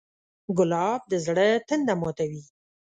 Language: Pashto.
ګلاب د زړه تنده ماتوي.